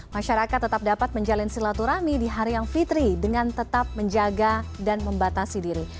masyarakat tetap dapat menjalin silaturahmi di hari yang fitri dengan tetap menjaga dan membatasi diri